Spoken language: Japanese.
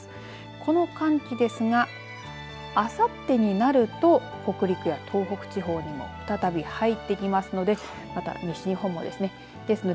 この寒気ですがあさってになると北陸や東北地方にも再び入ってきますのでまた西日本もですね。